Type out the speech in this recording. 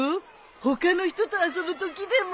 他の人と遊ぶときでも。